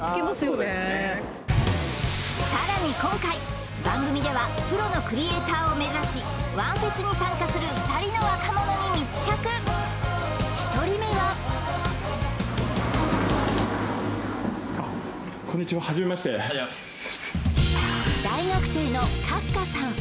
さらに今回番組ではプロのクリエイターを目指しワンフェスに参加する２人の若者に密着１人目は大学生のカフカさん